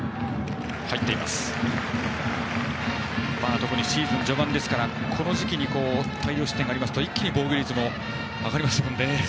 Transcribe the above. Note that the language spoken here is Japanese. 特にシーズン序盤なのでこの時期に大量失点がありますと一気に防御率が変わりますよね。